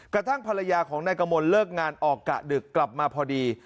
กระทั่งภรรยาของนายกมลเลิกงานออกกะดึกกลับมาพอดี